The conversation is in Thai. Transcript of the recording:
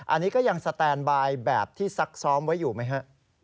อันนี้ก็ยังสแตนบายแบบที่ซักซ้อมไว้อยู่ไหมฮะ